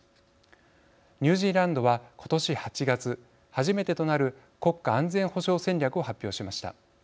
ニュージーランドは、今年８月初めてとなる国家安全保障戦略を発表しました。